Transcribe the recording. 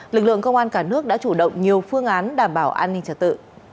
lực lượng công an cả nước đã chủ động nhiều phương án đảm bảo an ninh trật tự